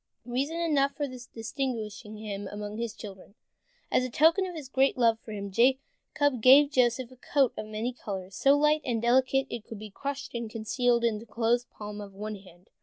Reason enough for distinguishing him among his children. As a token of his great love for him, Jacob gave Joseph a coat of many colors, so light and delicate that it could be crushed and concealed in the closed palm of one hand.